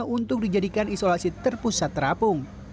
untuk dijadikan isolasi terpusat terapung